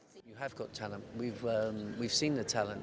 anda memiliki talenta kita telah melihat talenta